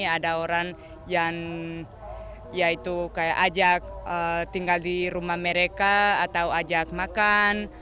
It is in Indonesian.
ada orang yang ajak tinggal di rumah mereka atau ajak makan